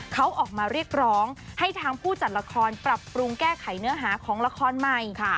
เขาออกมาเรียกร้องให้ทางผู้จัดละครปรับปรุงแก้ไขเนื้อหาของละครใหม่